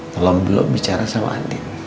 tolong belum bicara sama andin